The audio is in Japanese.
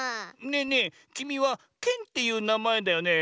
ねえねえきみはケンっていうなまえだよね？